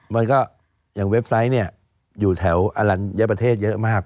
มันก็อย่างเว็บไซต์เนี่ยอยู่แถวอลัญญประเทศเยอะมาก